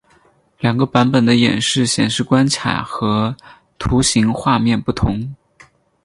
两个版本的演示显示关卡和图形画面不同。